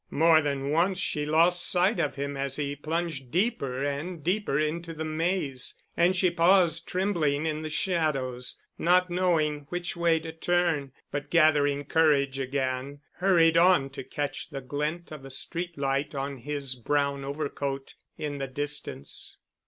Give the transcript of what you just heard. More than once she lost sight of him as he plunged deeper and deeper into the maze and she paused trembling in the shadows, not knowing which way to turn, but gathering courage again hurried on to catch the glint of a street light on his brown overcoat in the distance.